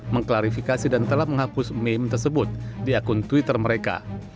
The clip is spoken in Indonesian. mengklarifikasi dan telah menghapus meme tersebut di akun twitter mereka